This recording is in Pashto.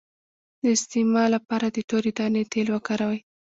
د استما لپاره د تورې دانې تېل وکاروئ